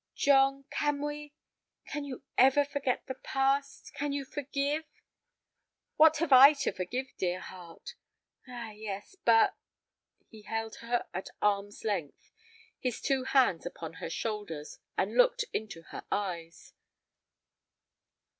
"John, can we—can you ever forget the past? Can you forgive?" "What have I to forgive, dear heart?" "Ah yes; but—" He held her at arm's length, his two hands upon her shoulders, and looked into her eyes.